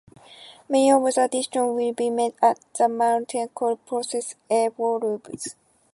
Many of the decisions will be made as the Mountain Accord process evolves.